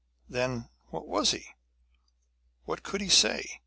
Then what was he? What could he say?